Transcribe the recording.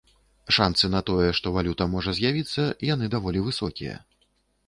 Шанцы на тое, што валюта можа з'явіцца, яны даволі высокія.